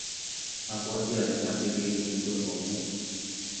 abwatiii ale mechei keekiun chronok.